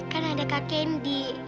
kan ada kak kendi